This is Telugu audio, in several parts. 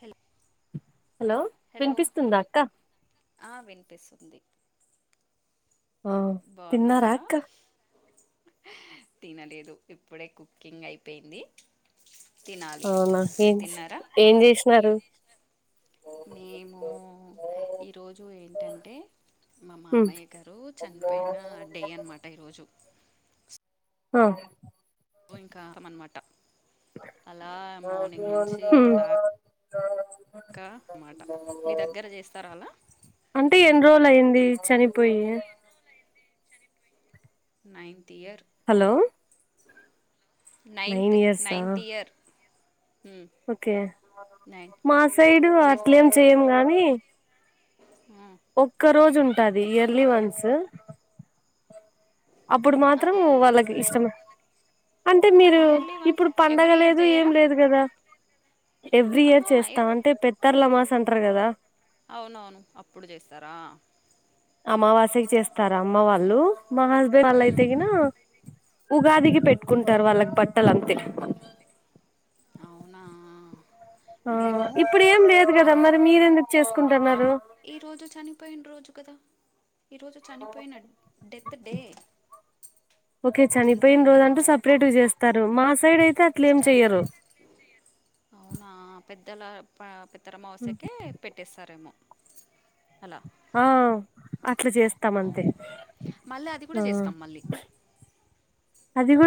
హల్ హలో వినిపిస్తుందా అక్క ఆ వినిపిస్తుంది ఆ తిన్నారా బాగున్నారా అక్క తినలేదు ఇప్పుడే కుకింగ్ అయిపోయింది తినాలి అవునా ఏం మీరు తిన్నారా ఏం చేసినారు మేము ఈరోజు ఏంటంటే మా ఉమ్ మామయ్య గారు చనిపోయిన డే అనమాట ఈరోజు ఆ ఇంకా అనమాట అలా మార్నింగ్ నుంచి ఉమ్ ఇప్పుటిదాకా ఇకా మాట మీ దగ్గర చేస్తారలా అంటే ఎన్ని రోజులు అయింది చనిపోయి ninth year hello nine ninth ఇయర్సా నైన్త్ ఇయర్ ఓకే నైన్ మా సైడు అట్లేం చెయ్యం గాని ఆ ఒక్క రోజు ఉంటాది ఇయర్లీ వన్స్ అప్పుడు మాత్రం అదే వాళ్ళకి ఇష్టం అంటే మీరు ఇయర్లీ వన్స్ ఇప్పుడు పండగ ఎవ్రీ ఇయర్ లేదు ఏం చేయరా లేదు కదా ఎవ్రీ ఇయర్ ఆహా ఎ- చేస్తాం అంటే పెత్తర్లమాస్ అంటరు కదా అవునవును అప్పుడు చేస్తారా అమావాస్యకి చేస్తారు అమ్మ ఉమ్, వాళ్ళు మా హస్బెండ్ ఉమ్. వాళ్ళయితేగిన ఉగాదికి పెట్టుకుంటారు వాళ్ళకి బట్టల అంతే అవునా ఆ మేము ఇప్పుడు ఏం లేదు కదా మరి మీరెందుకు చేసుకుంటున్నారు ఈ రోజు చనిపోయిన రోజు కదా ఈ రోజు చనిపోయిన డెత్ డే ఓకే చనిపోయిన చనిపోయిండు రోజు అంటూ ఈరోజు సపరేట్ చేస్తారు మా సైడ్ అయితే అట్లే ఏం చనిపో చెయ్యరు అవునా పెద్దల పెద్దరమావాస్యకే పెట్టేస్తారేమో అలా ఆ అట్లా చేస్తాం అంతే అవును మళ్ళ అది కూడా ఆ చేస్తాం మళ్ళీ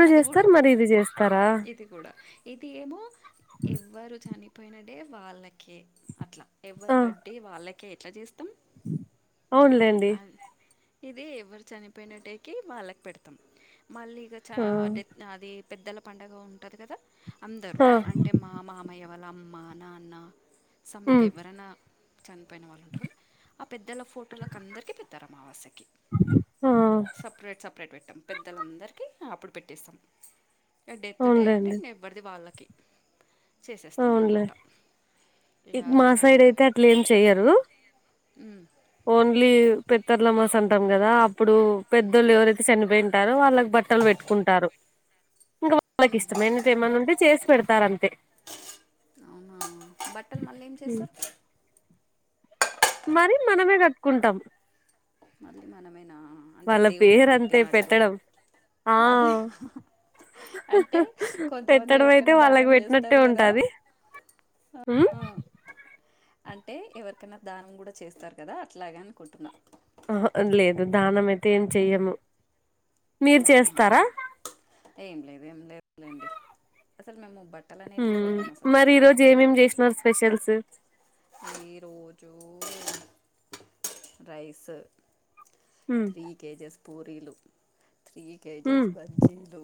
అది కూడా చేస్తారు మరి ఇది చేస్తారా ఇది కూడా ఇది ఏమో ఎవ్వరు చనిపోయిన డే వాళ్ళకే అట్లా ఆ ఎవరి బర్డే వాళ్ళకే ఎట్లా చేస్తాం అవునులేండి ఇది ఎవరు చనిపోయిన డే కి వాళ్ళకు పెడతాం మళ్ళీ ఇక చ ఆ డెత్ అది పెద్దల పండగ ఉంటది కదా అందరూ ఆ అంటే మా మామయ్య వాళ్ళ అమ్మ నాన్న సమ్ ఉమ్ ఇంకేవరైనా చనిపోయిన వాళ్ళు ఉంటారు ఆ పెద్దల ఫోటోలకి అందరికీ పెడ్తారు అమావాస్య కి ఆ సపరేట్ సపరేట్ పెట్టాం పెద్దలందరికీ అప్పుడు పెట్టేస్తాం ఇక డెత్ డే అంటే అవునులేండి ఎవరిది వాళ్ళకి చేసేస్తాం అవునులే అన్నమాట ఇక ఆ మా రోజు సైడ్ అయితే అట్ల ఏమి చెయ్యరు ఉమ్ ఓన్లీ పెత్తర్లమాస్ అంటాం కదా అప్పుడు మ్మ్ పెద్దోళ్ళు ఎవరై చనిపోయింటారు వాళ్ళకి బట్టలు పెట్టుకుంటారు ఇంకా వాళ్ళకి మ్మ్ ఇష్టమైనది ఏమైన్నా ఉంటే చేసి పెడతారు అంతే అవునా బట్టలు మళ్ళీ ఏం చేస్తారు మరి మనమే కట్టుకుంటాం మళ్ళీ మనమేనా అంటే వాళ్ళ దేవునికి పేరు అంతే పెట్టినట్టు పెట్టడం ఆ అదే అంటే కొంతమంది పెట్టడం అయితే ఎవరికైనా వాళ్ళకి దానం చేస్తారు కదా హ్మ్ ఆ అంటే ఎవరికైనా దానం కూడా చేస్తారు కదా అట్లాగే అనుకుంటున్నా అహ లేదు దానం అయితే ఏం చెయ్యము మీరు అవునా చేస్తారా ఏం లేదు ఏం లేదులేండి అసలు మేము బట్ మరి ఈ రోజు ఏమేమి చేసినారు స్పెషల్స్ ఈరోజు రైస్ హ్మ్ త్రీ కేజెస్ పూరీలు త్రీ కేజెస్ ఉమ్ బజ్జీలు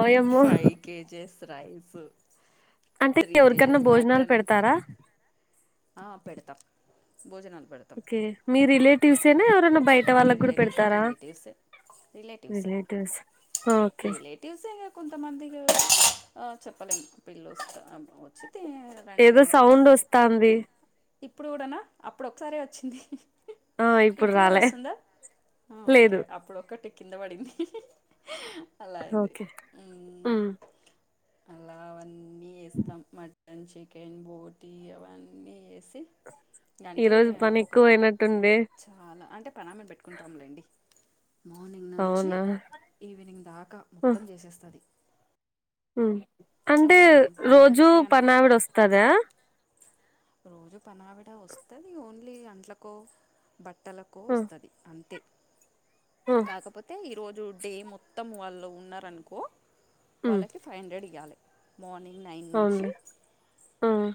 ఓయమ్మో ఫైవ్ కేజెస్ రైసు అంటే త్రీ ఎవరికన్నా కేజస్ భోజనాలు మటన్ పెడతారా ఆ పెడతా భోజనలు పెడ్ ఓకే మీ రిలేటివ్స్ ఏనా బయట వాళ్ళకు కూడా రిలేటివ్సే పెడతారా రిలేటివ్సే రిలేటివ్స్ ఓకే తీలేదు తీసేయ్ కొంతమందికే ఆ చెప్పలేం పిల్ల వస్త ఆ మ్ వచ్చితే ఏదో సౌండు వస్తాంది ఇప్పుడు గూడానా అప్పుడు ఒకసారె వచ్చింది ఆ ఇప్పుడు కూడా రాలే వస్తుందా ఆ ఓకే లేదు అప్పుడు ఒకటి కింద పడింది అలా అయింది ఓకే మ్మ్ ఉమ్ అలా అవన్నీ వేస్తాం మటన్ చికెన్ బోటి అవన్నీ ఏస్త సి ఈ అంటే రోజు పని ఒక పాన్ ఎక్కువయినట్టుంది చాలా అంటే పన్నామిని పెట్టుకుంటాములేండి మార్నింగ్ నుంచి అవునా ఈవినింగ్ దాకా మొత్తం చేసేస్తది మ్ అంటే పని రోజూ మనిషి అని పనావిడ వస్తదా రోజు పనావిడ వస్తది ఓన్లీ అంట్లకే బట్టలకో ఉమ్ వస్తది అంతే ఉమ్ కాకపో తే ఈరోజు డే మొత్తం వాళ్ళు ఉన్నారనుకో ఉమ్ వాళ్ళకి ఫైవ్ హండ్రెడ్ ఇయ్యాలే మార్నింగ్ నైన్ నుంచి అవునులే ఉమ్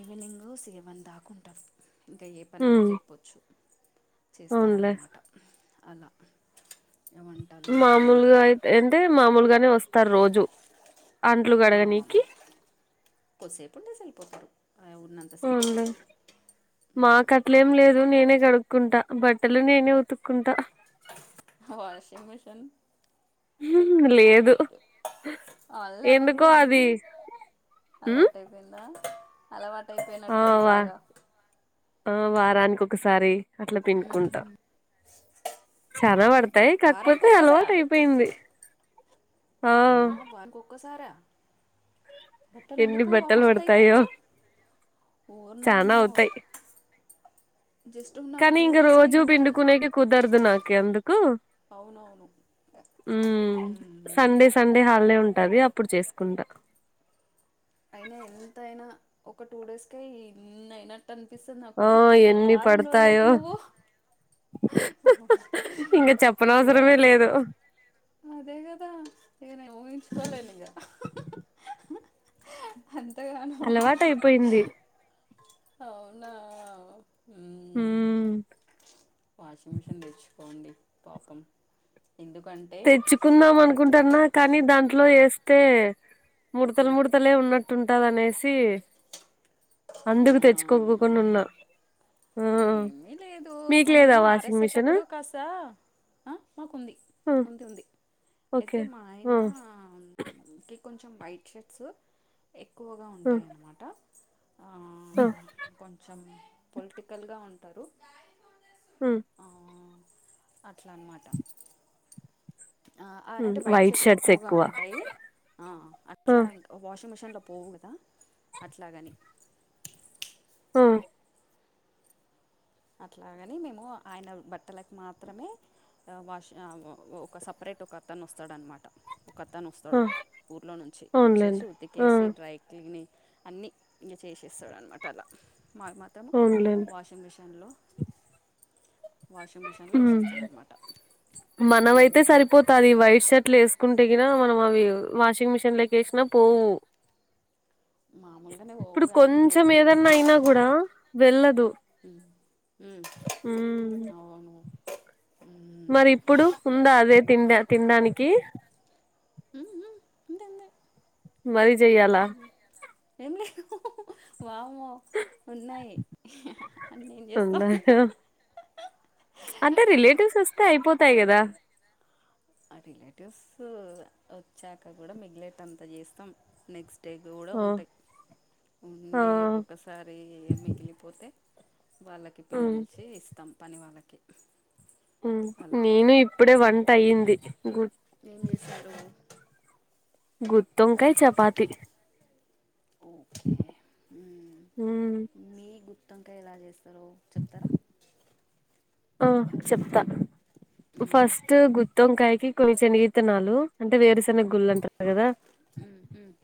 ఈవినింగ్ సెవెన్ దాకుంటారు ఇంకా ఏ పనన్నా ఉమ్ చెప్పొచ్చు అవునులే చేస్తారన్నమాట అలా ఏమం మామూలుగా అయితే అంటే మామూలుగానే వస్తారు రోజు అంట్లు మామూలు కడగనీకి కొద్దిసేపు ఉండేసి ఎళ్ళిపోతారు అ ఉన్నం అవునులే మాకు అట్లేం గత లేదు నేనే కడు కుంటా బట్టలు నేనే ఉతుక్కుంటా వాషింగ్ మిషీన్ లేదు అళ్ళవ్ ఎందుకో అది అన్ని ఉమ్ అలవాటై పోయిందా అలవాటు ఆ అయిపోయినట్టుంది వా బాగా ఆ వారానికి ఒకసారి అట్లా పిండుకుంటా చానా పడతాయి వారానికి కాకపోతే ఒక్కసారా అలవాటు అయిపోయింది ఆ అమ్మ వారానికి ఒక్క సారా బట్టలు ఎన్ని ఉండిపోవా బట్టలు మస్తు అయితాయి పడతాయో కదా ఓరి చానా నాయనో అవుతాయి జస్ కానీ ఇంగ రోజు పిండుకునేకి కుదరదు నాకి అందుకు అవునవును ఉమ్మ్ ఉమ్మ్మ్ డే హాలేడే ఉంటది అప్పుడు చేసుకుంటా అయినా ఎంతయినా ఒక టూ డేస్కే ఇన్ని అయిన ట్టు అనిపిస్తది నాకు ఆ ఎన్ని వారం రోజులకి పడతాయో నువ్వు ఇంక చెప్పనవసరమే ద్వాయ్ లేదు అదేకదా నేను ఊహించుకోలేను ఇంగ అంతగానమా అలవాటు అయిపోయింది అవునా ఉమ్మ్ ఉమ్ వాషింగ్ మిషిన్ తేచు కోండి పాపం ఎందుకం తెచ్చుకుందాం అనుకుంటాన్నా కానీ దాంట్లో ఏస్తే ముడతలు మ్మ్. ముడత లే ఉన్నట్టుంటది అనేసి అందుకు అవునా తెచ్చుకోకోకుండా ఉన్నా ఆ ఏమిలే దు మీకు మనము లేదా వాషింగ్ మిషిన్ ఆరేసేటప్పుడు కాస్తా ఆ మాకుంది మ్మ్ ఉంది అయితే మా ఆయన కి కొంచెం వైట్ షర్ట్స్ ఎక్కువగా ఆ ఉంటాయన్నమాట ఆ ఆ కొంచెం పొలిటికల్‌గా ఉంటారు ఉమ్మ్ ఆ అట్లా అనమాట ఆ ఆ అంటే వైట్ షర్ట్స్ ఎక్కువగా ఉంటాయి ఆ ఆ అట్లా ఇంకా వాషింగ్ మిషన్లో పోవు కదా అట్లాగని ఉమ్మ్ అట్లాగాని మేము ఆయన బట్టలకు మాత్రమే వాష్ ఆ ఓ ఒక సపరేట్ ఒక అతను వస్తాడు అన్నమాట ఒక అతను వ ఆ స్తాడు ఊర్లో నుంచి వచ్చేసి అవునులేండి ఆ ఉతికేసి డ్రై క్లీనింగ్ అన్నీ ఇంగ చేసేస్తాడు అనమాట అలా మావి మాత్రము అవునులేండి washing machine hello washing machine లో ఉమ్ వేసేస్తా అన్నమాట పది వైట్ షర్ట్లు వేసుకుంటే గిన మనం అవి వాషింగ్ మిషిన్ లేకి వేసినా పోవు మామూలుగానే పోవు ఇప్పుడు కానీ కొంచెం ఇంకేం ఏదన్నా చేస్తాం అయినా కూడా వెళ్ళదు ఉ ఉ ఉమ్ అవును మ్మ్. మరి ఇప్పుడు ఉందా అదే తిండ తినడానికి ఉవు ఉంది ఉంది మరీ చెయ్యాలా ఏం లేదు వాముమో ఉన్నాయి అన్ని ఏం ఉందా చేస్తాము అంటే రిలేటివ్స్ వస్తే అయిపోతాయి కదా ఆ రిలేటివ్స్ వచ్చాక కూడా మిగిలేటంత అంతా చేస్తాం నెక్స్ట్ డే కూడా ఆ ఉంటాయి ఆ ఉండి ఒక్కొక్కసారి మిగిలి పోతే వాళ్ళకి ఉమ్ పిల్సి ఇస్తాం పని వాళ్ళకి ఉ అలా నేను ఇప్పుడే వంట అయ్యింది గు ఏం చేశారూ గుత్తొంకాయ్ చపాతి ఓకే ఉ ఉమ్ మీ గుత్తొంకాయ్ ఎలా చేస్తారో చెప్తారా ఆ చెప్తా మ్మ్, ఫస్ట్ గుత్త్తంకాయకి కొన్ని శనగితనాలు అంటే వేరుశెనగ గుళ్ళు అంటారు కదా ఉమ్ ఉమ్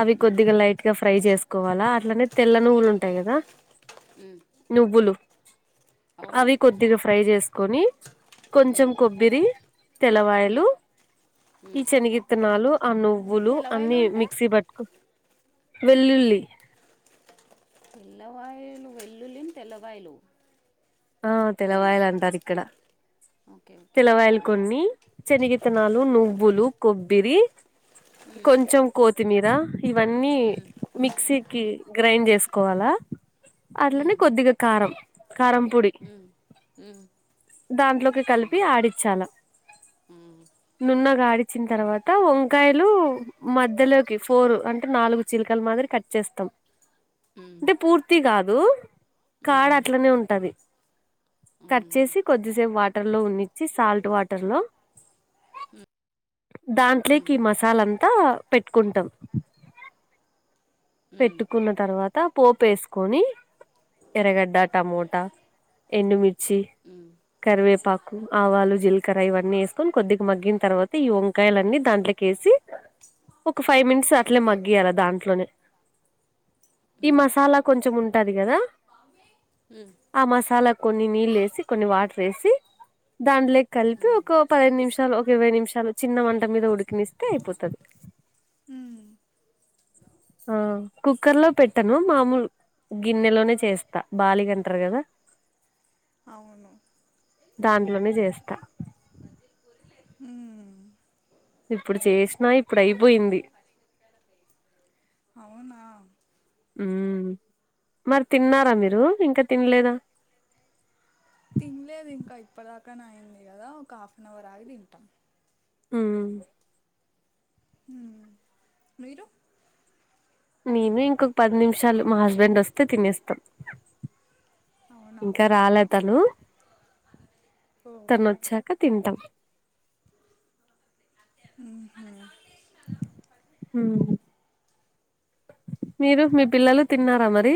అవి కొద్దిగా లైట్ గా ఫ్రై చేసుకోవాలా అట్లనే తెల్ల నువ్వులు ఉంటాయి కదా ఉ నువ్వులు అవి కొద్దిగా ఫ్రై చేసుకొని కొంచెం ఉమ్, కొబ్బరి తెల్లవాయలు ఉమ్, ఉమ్. ఈ శనగిత్తనాలు ఆ నువ్వులు తెల్లవాయిలు అన్ని అంటే మిక్సీ పట్టుకునీ వెల్లుల్లి తెల్లవాయలు వెల్లులిని తెల్లవాయలు ఆ తెలవాయాల అంటారు ఇక్కడ ఓకే ఓకే తెలవాయలు చెప్పండి కొన్ని శనిగితనాలు నువ్వు నువ్వులు కొబ్బరి కొంచెం కొత్తిమీర ఇవన్నీ ఉమ్, మిక్సీకిి గ్రైండ్ చేసుకోవాలా అట్లనే కొద్దిగా కారం కారం పొడి ఉ ఉ దాంట్లోకి కలిపి ఆడించాలా ఉమ్ నున్నగాడిచ్చిన తర్వాత వంకాయలు మధ్యలోకి ఫోర్ అంటే నాలుగు చిలికలు మాదిరి కట్ చేస్తాం ఉమ్, అంటే పూర్తి కాదు కాడ ఉమ్, అట్లనే ఉంటది కట్ చేసి ఉమ్ కొద్దిసేపు వాటర్ లో ఉన్నిచ్చి సాల్ట్ వాటర్ లో దాంట్లోకి ఈ మసాలాంతా పెట్టుకుంటాం ఉమ్, పెట్టుకున్న తర్వాత పోపు వేసుకొని ఎర్రగడ్డ టమోటా ఎండుమిర్చి ఉ కరివేపాకు ఆవాలు జీలకర్ర ఇవన్నీ వేసుకొని కొద్దిగా మగ్గిన తర్వాత ఈ వంకాయల అన్నీ దాంట్లో కేసి ఒక ఫైవ్ మినిట్స్ అట్లే మగ్గియాలా దాంట్లోనే ఉమ్, ఉమ్, ఉమ్, ఈ ఉమ్, మసాలా కొంచం ఉంటది కదా ఆ మసాలాకు కొన్ని నీళ్ళు వేసి కొన్ని వాటర్ వేసి దాంట్లోకి కలిపి ఒక పదిహేను నిమిషాలు ఒక ఇరవై నిమిషాలు చిన్న మంట మీద ఉడికనిస్తే ఉమ్, ఉమ్, ఉమ్. అయిపోతది ఉమ్, ఆ కుక్కర్ లో పెట్టను మామూలు గిన్నెలోనే చేస్తా బాలిగంటారు కదా అవును దాంట్లోనే చేస్తా ఊ ఇప్పుడు చేసినా ఇప్పుడు అయిపోయింది అవునా మరి తిన్నారా మీరు ఇంకా తినలేదా తినలేదు ఇంకా ఇప్పదాకానా అయింది కదా ఒక హాఫ్ అన్ అవర్ ఆగి తింటాం ఊ ఊ మీరు మేను ఇంకొక పది నిమిషాలు మా హస్బెండ్ వస్తే తినేస్తాం అవునా ఇంకా రాలే తను ఓ తను వచ్చాక క తింటం ఉహు ఊ మీరు మీ పిల్లలు తిన్నారా మరి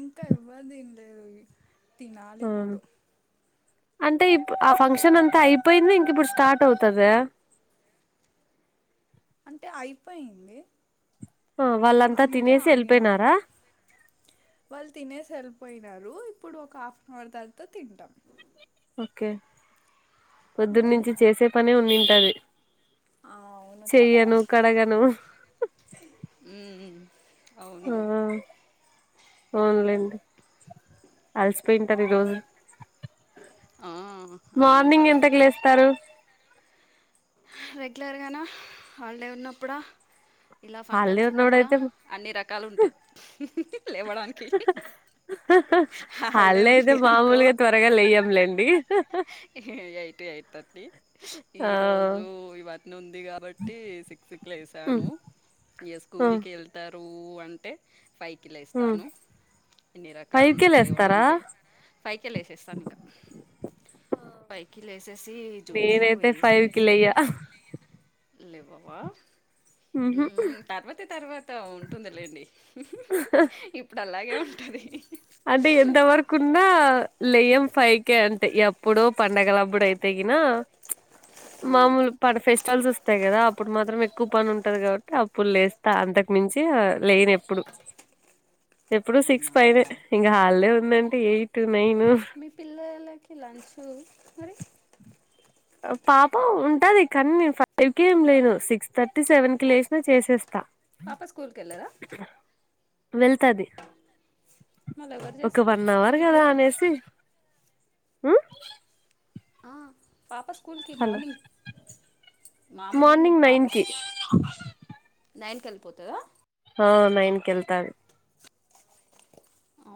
ఇంకా ఎవరు తినలేదు తినాలి ఆ ఇప్పుడు అంటే ఇపు ఆ ఫంక్షన్ అంతా అయిపోయింది ఇంక ఇప్పుడు స్టార్ట్ అవుతుదా అంటే అయిపోయింది ఆ వాళ్ళంతా అందుకే తినేసి ఆగినం వెళ్ళిపోయినారా వాళ్ళు తినేసి ఏలిపోయినారు ఇప్పుడు ఒక హాఫ్ అన్ అవర్ తర్వాత తింటాం ఓకే పొద్దున్న నుంచి చేసే పని ఉనింటది ఆ అవును చెయ్యను కడగను ఊ ఆ ఓన్లేండి అలసిపోయింటారు ఈ రోజు ఆ అవును మార్నింగ్ ఎంతకి అలసిపోయిన లేస్తారు రెగ్యులర్గానే హాలిడే ఉన్నప్పుడ ఇలా హాలిడే ఫంక్షన్స్ ఉన్నప్పుడ ఉన్నోడైతే అన్ని రకాలు ఉంటాయి లేవడానికి హాలిడే హల్ళయితే ఉంది అనుకో మామూలుగా త్వరగా లేయ్యంలేండి ఎయిట్ టు ఎయిట్ థర్టీ ఈ ఆ రోజు ఇవాటి నుండిగా కాబట్టి సిక్సీ కి హ్మ్ లేసాను ఇగ హ్మ్ స్కూల్కి వెళ్తారు అంటే ఫై కి హ్మ్ లేస్తాను ఎన్ని రకాలు ఫైవ్ కే ఉంటది లేస్తారా లేవడానికె ఫై కె లేసేస్తాను ఇంకా ఫై కి లేసేసి జుట్లు నేనైతే ఫైవ్ కి వేసేసి లేయ్య లేవవా ఊ ఊ తర్వత తర్వాత ఉంటుందిలేండి ఇప్పుడు అలాగే ఉంటుంది కుండా లెయం ఫై కే అంటే ఎప్పుడో పండగలప్పుడు అయితేగిన [inaudible] మామూలు ప ఫెస్టివల్స్ వస్తాయి కదా అప్పుడు మాత్రం ఎక్కువ పని ఉంటది కాబట్టి అప్పుడు లేస్తా అంతకు మించి ఆ లేనెప్పుడు ఎప్పుడు సిక్స్ అవునా ఫైవే ఇంక హాల్డే ఉందంటే ఎయిట్ నైన్ ఈ పిల్లలకి లంచు మరి పాప ఉంటది కానీ ఫైవ్ కే ఏం లేను సిక్స్ థర్టీ సెవెన్ కి లేచినా చేసేస్తా పాప స్కూల్ కేళ్ళరా వెళ్తది మళ్ళీ ఎవరు ఒక చేస్తారు వన్ అవర్ మీరు కదా చేయరా అనేసి ఉ ఆ పాపాస్ స్కూల్కి హలో మార్నింగ్ మార్నింగ్ నైన్ కి పాపస్కు నైన్ కేళ్ళిపోతదా హా నైన్ కెళ్తారు ఆ